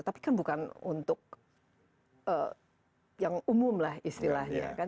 tapi kan bukan untuk yang umum lah istilahnya